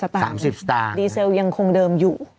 ๓๐ตัวต่างดีเซลยังคงเดิมอยู่